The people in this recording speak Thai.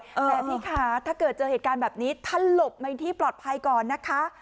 แต่พี่คะถ้าเกิดเจอเหตุการณ์แบบนี้ท่านหลบในที่ปลอดภัยก่อนนะคะ